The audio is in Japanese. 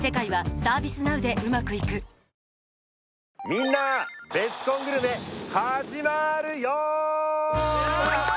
みんなベスコングルメ始まるよ！